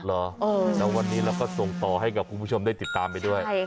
แล้ววันนี้เราก็ส่งต่อให้กับคุณผู้ชมได้ติดตามไปด้วย